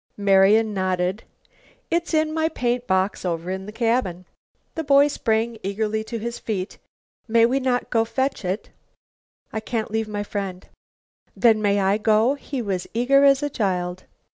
Marian nodded. "It is in my paint box over in the cabin." The boy sprang eagerly to his feet. "May we not go fetch it?" "I can't leave my friend." "Then may I go?" He was eager as a child.